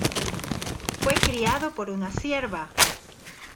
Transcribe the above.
Fue criado por una cierva.